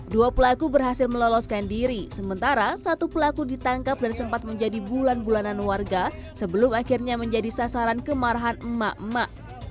dua pelaku berhasil meloloskan diri sementara satu pelaku ditangkap dan sempat menjadi bulan bulanan warga sebelum akhirnya menjadi sasaran kemarahan emak emak